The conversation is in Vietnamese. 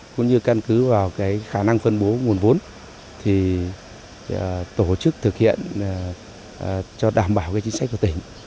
cũng như căn cứ vào khả năng phân bố nguồn vốn thì tổ chức thực hiện cho đảm bảo chính sách của tỉnh